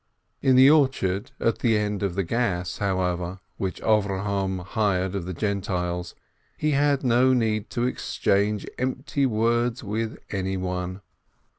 In the orchard, at the end of the Gass, however, which Avrohom hired of the Gentiles, he had no need to exchange empty words with anyone.